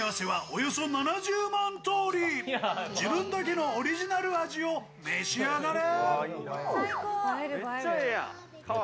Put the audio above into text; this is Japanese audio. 自分だけのオリジナル味を召し上がれ。